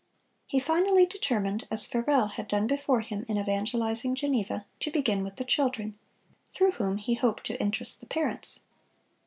He finally determined—as Farel had done before him in evangelizing Geneva—to begin with the children, through whom he hoped to interest the parents.